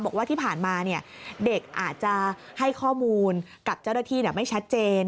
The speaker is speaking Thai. บอกว่าที่ผ่านมาเด็กอาจจะให้ข้อมูลกับเจ้าหน้าที่ไม่ชัดเจน